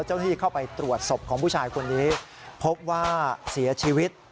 ที่เข้าไปตรวจศพของผู้ชายคนนี้พบว่าเสียชีวิต